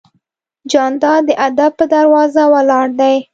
جانداد د ادب په دروازه ولاړ دی.